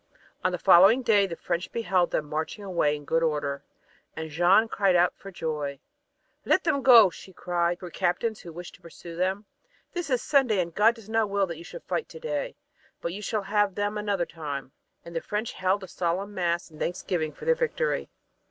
On the following day the French beheld them marching away in good order, and Jeanne cried out for joy. "Let them go," she said to her captains who wished to pursue them. "It is Sunday and God does not will that you shall fight to day, but you shall have them another time." And the French held a solemn mass in thanksgiving for their victory.